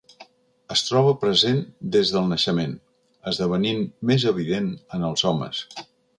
Es troba present des del naixement, esdevenint més evident en els homes.